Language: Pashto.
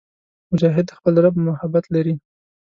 مجاهد د خپل رب محبت لري.